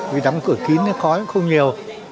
vì đóng cửa kín nó khói không nhiều